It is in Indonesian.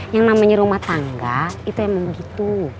yang namanya rumah tangga itu emang begitu